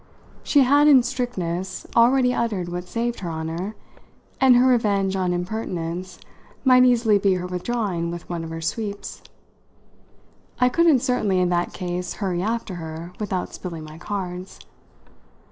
She had, in strictness, already uttered what saved her honour, and her revenge on impertinence might easily be her withdrawing with one of her sweeps. I couldn't certainly in that case hurry after her without spilling my cards.